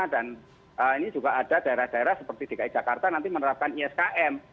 dan ini juga ada daerah daerah seperti dki jakarta nanti menerapkan iskm